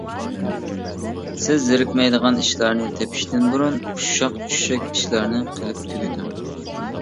سىز زېرىكمەيدىغان ئىشلارنى تېپىشتىن بۇرۇن ئۇششاق-چۈششەك ئىشلارنى قىلىپ تۈگىتىڭ.